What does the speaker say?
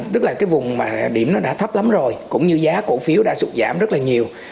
tức là vùng điểm đã thấp lắm rồi cũng như giá cổ phiếu đã sụt giảm rất nhiều